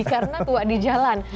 karena tua di jalan